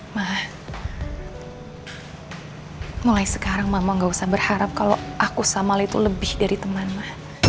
ma mulai sekarang mama gak usah berharap kalau aku sama al itu lebih dari teman ma